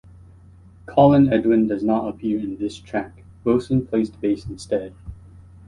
Colin Edwin does not appear in this track, Wilson plays the bass instead.